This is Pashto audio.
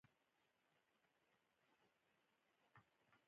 د امیر شېرعلي خان او امیر عبدالر حمن په زمانو کي مطبعې وې.